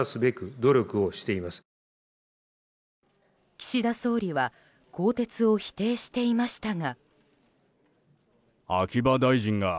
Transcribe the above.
岸田総理は更迭を否定していましたが。